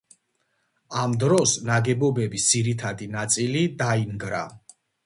ამ დროს ნაგებობის ძირითადი ნაწილი დაინგრა.